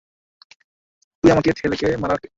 তুই আমাকে ছেলেকে মারার কে?